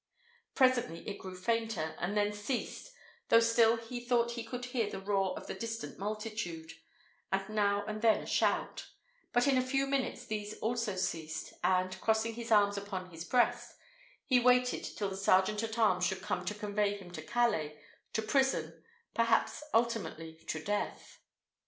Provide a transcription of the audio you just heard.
Presently it grew fainter, and then ceased, though still he thought he could hear the roar of the distant multitude, and now and then a shout; but in a few minutes these also ceased, and, crossing his arms upon his breast, he waited till the sergeant at arms should come to convey him to Calais, to prison, perhaps ultimately to death.